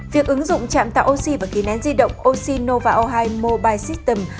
việc ứng dụng trạm tạo oxy và khí nén di động oxy nova o hai mobile system